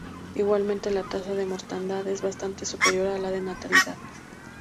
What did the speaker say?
Igualmente, la tasa de mortandad es bastante superior a la de natalidad.